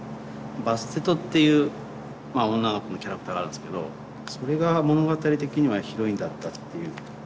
バステトっていう女の子のキャラクターがあるんですけどそれが物語的にはヒロインだったっていう。